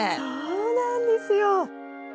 そうなんですよ！